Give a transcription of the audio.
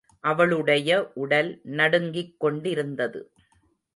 அவளுடைய உடல் நடுங்கிக் கொண்டிருந்தது.